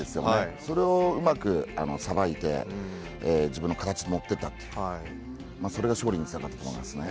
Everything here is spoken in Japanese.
それをうまくさばいて自分の形に持って行ったというそれが勝利につながったと思います。